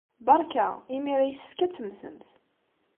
Beṛka! Imir-a yessefk ad temmtemt.